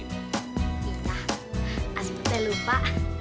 iya asma teh lupa